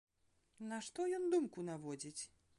На што ён думку наводзіць?